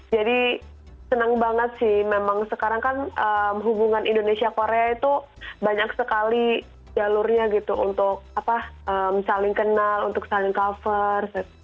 jadi senang banget sih memang sekarang kan hubungan indonesia korea itu banyak sekali jalurnya gitu untuk apa saling kenal untuk saling cover